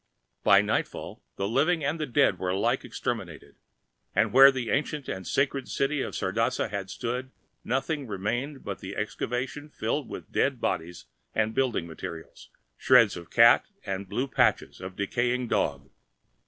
By nightfall the living and the dead were alike exterminated, and where the ancient and sacred city of Sardasa had stood nothing remained but an excavation filled with dead bodies and building materials, shreds of cat and blue patches of decayed dog.